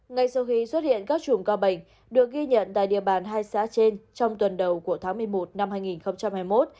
ngay sau khi xuất hiện các chùm ca bệnh được ghi nhận tại địa bàn hai xã trên trong tuần đầu của tháng một mươi một năm hai nghìn hai mươi một